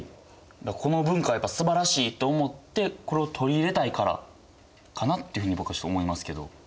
この文化はやっぱすばらしいと思ってこれを取り入れたいからかなっていうふうに僕は思いますけど。